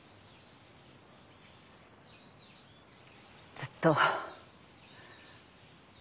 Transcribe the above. ずっと。